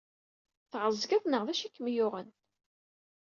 Tɛeẓged neɣ d acu ay kem-yuɣen?